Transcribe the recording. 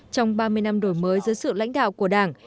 trong ba mươi năm đổi mới dưới sự lãnh đạo của đảng